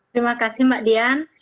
terima kasih mbak dian